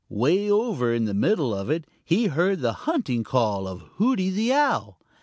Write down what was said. Way over in the middle of it he heard the hunting call of Hooty the Owl.